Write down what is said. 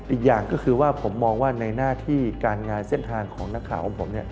อีกอย่างก็คือว่าผมมองว่าในหน้าที่การงานเส้นทางของนักข่าวของผม